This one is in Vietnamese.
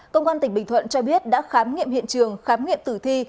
công an tỉnh bình thuận cho biết đã khám nghiệm hiện trường khám nghiệm tử thi